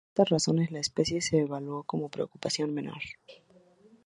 Por estas razones, la especie se evaluó como de Preocupación Menor.